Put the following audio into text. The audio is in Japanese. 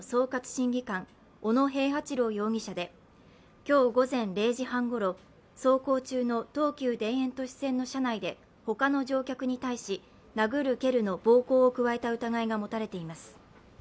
審議官小野平八郎容疑者で今日午前０時半ごろ、走行中の東急田園都市線の車内で他の乗客に対し殴る蹴るの暴行を加えた疑いが持たれています。